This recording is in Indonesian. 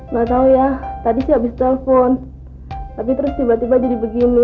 gak tau ya tadi sih abis telpon tapi terus tiba tiba jadi begini